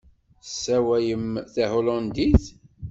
Tessawalem tahulandit?